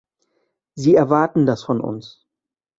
Sie erwarten das von uns.